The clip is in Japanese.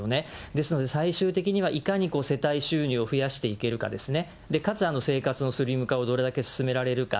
ですので最終的にはいかに世帯収入を増やしていけるかですね、かつ生活のスリム化をどれだけ進められるか。